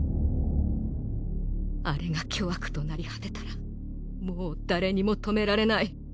アレが巨悪となり果てたらもう誰にも止められない。